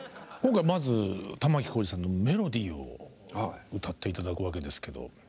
今回まず玉置浩二さんの「メロディー」を歌って頂くわけですけど。